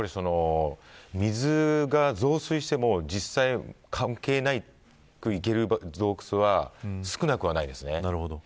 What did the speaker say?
水が増水しても実際、関係なく行ける洞窟は少なくはないです。